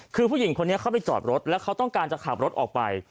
คือผู้หญิงคนนี้เข้าไปจอดรถแล้วเขาต้องการจะขับรถออกไป